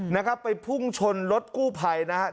นะครับไปพุ่งชนรถกู้ภัยนะครับ